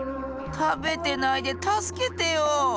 たべてないでたすけてよ。